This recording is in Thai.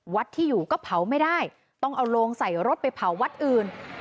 วัดที่อยู่ก็เผาไม่ได้ต้องเอาโลงใส่รถไปเผาวัดอื่น